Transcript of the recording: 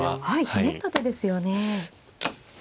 ひねった手ですよね。